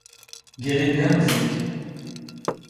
ⴳⵏⵖ ⵉⴹⴳⴰⵎ ⵣⵉⴽⴽ.